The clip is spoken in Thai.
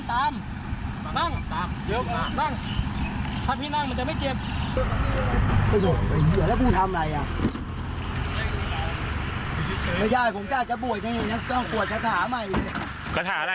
ไอ้อะไรก็ได้